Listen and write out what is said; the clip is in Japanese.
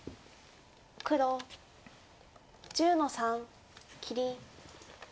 黒１０の三切り。